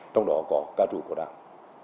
trong đó có ca chủ của đảng